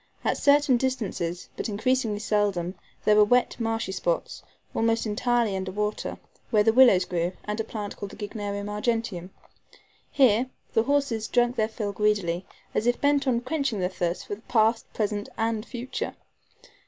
At certain distances, but increasingly seldom, there were wet, marshy spots, almost entirely under water, where the willows grew, and a plant called the Gygnerium argenteum. Here the horses drank their fill greedily, as if bent on quenching their thirst for past, present and future.